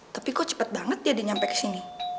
tapi kok cepet banget ya dia nyampe kesini